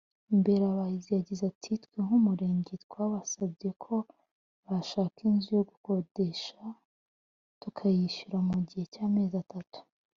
Mberabahizi yagize ati “Twe nk’Umurenge twabasabye ko bashaka inzu yo gukodesha tukayishyura mu gihe cy’amezi atatu